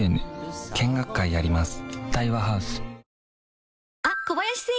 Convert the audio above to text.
見学会やります